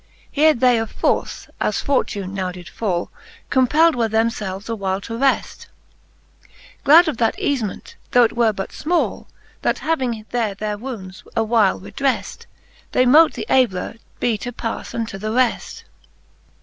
Here they of force, as fortune now did fall, Compelled were themfelves a while to reft, Glad of that eafement, though it were butfmall; That having there their wounds awhile redreft, They mote the abler be to pafle unto the reft.